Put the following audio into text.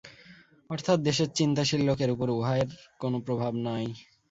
অর্থাৎ দেশের চিন্তাশীল লোকের উপর উহার কোনই প্রভাব নাই।